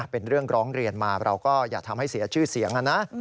เป็นเรื่องร้องเรียนมาเราก็อย่าทำให้เสียชื่อเสียงนะ